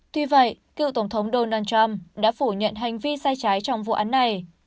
tuy vậy cựu tổng thống donald trump đã phủ nhận hành vi sai trái trong vụ án này